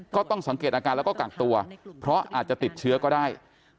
ก็ต้องสังเกตอาการแล้วก็กักตัวเพราะอาจจะติดเชื้อก็ได้